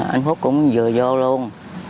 anh phúc cũng vừa vô luôn